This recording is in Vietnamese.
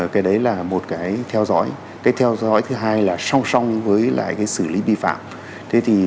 cái đấy là một cái theo dõi cái theo dõi thứ hai là song song với lại cái xử lý vi phạm thế thì